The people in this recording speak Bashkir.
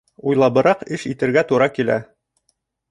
Уйлабыраҡ эш итергә тура килә.